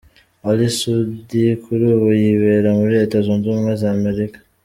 Ally Soudy kuri ubu yibera muri Leta Zunze Ubumwe za Amerika .